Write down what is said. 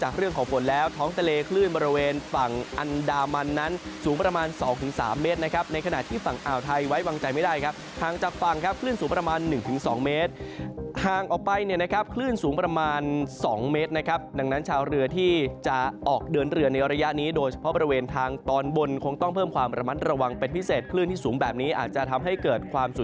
คลื่นสูงประมาณ๒๓เมตรนะครับในขณะที่ฝั่งอ่าวไทยไว้วางใจไม่ได้ครับทางจับฝั่งครับคลื่นสูงประมาณ๑๒เมตรทางออกไปเนี่ยนะครับคลื่นสูงประมาณ๒เมตรนะครับดังนั้นชาวเรือที่จะออกเดินเรือในระยะนี้โดยเฉพาะบริเวณทางตอนบนคงต้องเพิ่มความระมัดระวังเป็นพิเศษคลื่นที่สูงแบบนี้อาจจะทำให้เกิด